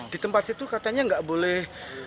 di tempat situ katanya nggak boleh